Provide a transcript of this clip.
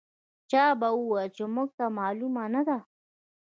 چا به ویل چې موږ ته معلومه نه ده.